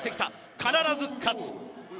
必ず勝つ。